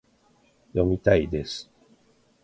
読みたいです